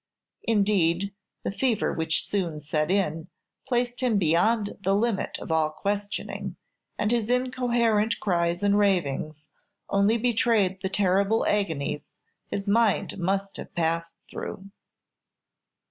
Indeed, the fever which soon set in placed him beyond the limit of all questioning, and his incoherent cries and ravings only betrayed the terrible agonies his mind must have passed through.